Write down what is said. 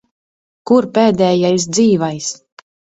Kur pēdējais dzīvais?